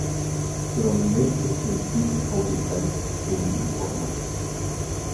Prominente científico británico en Informática.